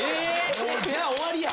じゃあ終わりや。